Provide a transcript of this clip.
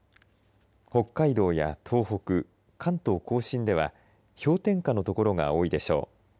北海道や東北、関東甲信では氷点下の所が多いでしょう。